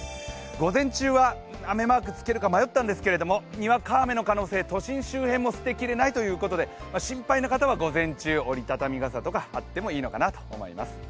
午前中は雨マークつけるか迷ったんですけどにわか雨の可能性、都心の周辺も捨てきれないということで心配な方は午前中、折り畳み傘とかあってもいいのかなと思います。